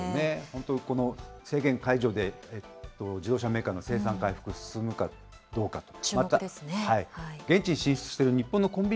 本当にこの制限解除で自動車メーカーの生産回復進むかどうかと。